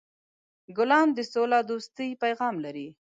ګلان د سولهدوستۍ پیغام لري.